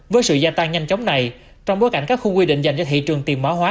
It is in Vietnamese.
với sự gia tăng nhanh chóng này trong bối cảnh các khu quy định dành cho thị trường tiền mã hóa